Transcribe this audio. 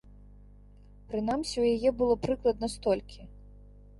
Прынамсі, у яе было прыкладна столькі.